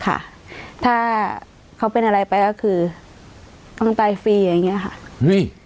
ค่ะถ้าเขาเป็นอะไรไปก็คือต้องตายฟรีอย่างเงี้ค่ะเฮ้ย